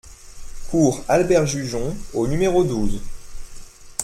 Cour Albert Jugon au numéro douze